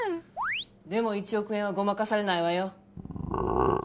でも１億円はごまかされないわよ。